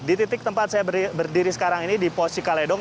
di titik tempat saya berdiri sekarang ini di pos cikaledong